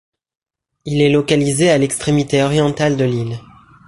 Il est localisé à l'extrémité orientale de l'île.